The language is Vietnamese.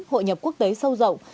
hội nhập quốc tế sâu rộng